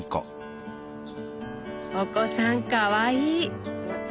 お子さんかわいい！